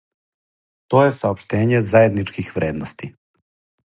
То је саопштење заједничких вредности.